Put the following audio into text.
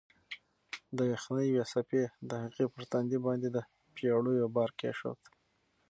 د یخنۍ یوې څپې د هغې پر تندي باندې د پېړیو بار کېښود.